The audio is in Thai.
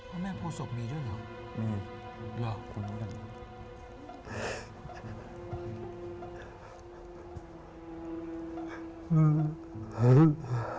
พระแม่โพศพมีด้วยเหรอมีลองคุณลองดังนั้น